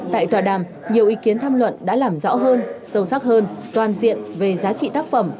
tại tòa đàm nhiều ý kiến tham luận đã làm rõ hơn sâu sắc hơn toàn diện về giá trị tác phẩm